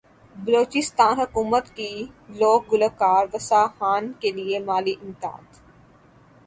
بلوچستان حکومت کی لوک گلوکار واسو خان کیلئے مالی امداد